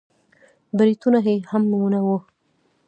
برېتونه يې هم نه وو.